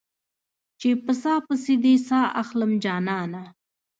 چې په ساه پسې دې ساه اخلم جانانه